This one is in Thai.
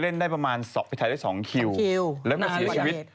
ไม่ก่อนนั้นเกบุญพิทักษ์เสียชีวิต